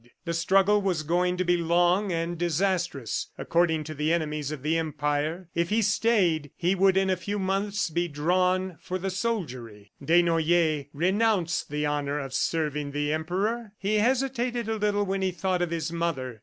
The struggle was going to be long and disastrous, according to the enemies of the Empire. If he stayed, he would in a few months be drawn for the soldiery. Desnoyers renounced the honor of serving the Emperor. He hesitated a little when he thought of his mother.